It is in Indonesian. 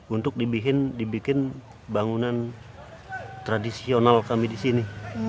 untuk dibikin bangunan tradisional kami di sini